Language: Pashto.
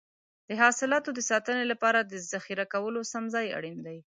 د حاصلاتو د ساتنې لپاره د ذخیره کولو سم ځای اړین دی.